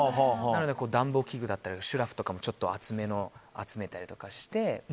なので、暖房器具だとかシュラフとかもちょっと厚めのを集めたりとかして。